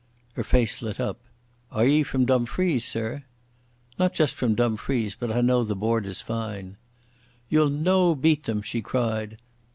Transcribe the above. Her face lit up. "Are ye from Dumfries, sir?" "Not just from Dumfries, but I know the Borders fine." "Ye'll no beat them," she cried.